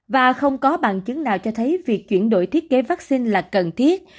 và không có bằng chứng nào cho thấy việc chuyển đổi thiết kế vaccine là cần thiết